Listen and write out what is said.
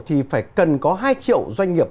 thì phải cần có hai triệu doanh nghiệp